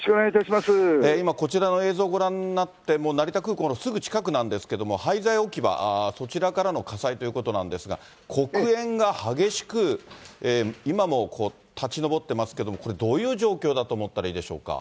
今、こちらの映像ご覧になって、成田空港のすぐ近くなんですけれども、廃材置き場、そちらからの火災ということなんですが、黒煙が激しく、今もこう、立ちのぼっていますけれども、これ、どういう状況だと思ったらいいでしょうか。